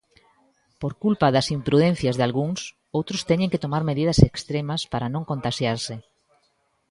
Por culpa das imprudencias dalgúns, outros teñen que tomar medidas extremas para non contaxiarse.